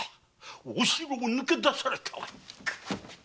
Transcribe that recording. お城を抜け出されたわ！